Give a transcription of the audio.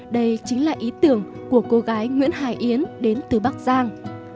đây chính là ý tưởng của cô gái nguyễn hải yến đến từ bắc giang